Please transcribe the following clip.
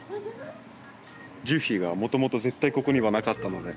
樹皮がもともと絶対ここにはなかったので。